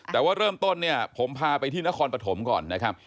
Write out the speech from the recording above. แต่ว่าเริ่มต้นเนี่ยผมพาไปที่นครปฐมก่อนนะครับ